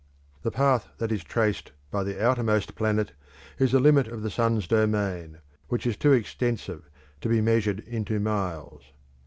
The path that is traced by the outermost planet is the limit of the sun's domain, which is too extensive to be measured into miles.